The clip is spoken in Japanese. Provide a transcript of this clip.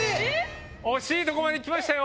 惜しいとこまできましたよ。